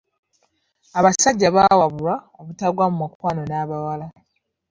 Abasajja bawabulwa obutagwa mu mukwano n'abawala.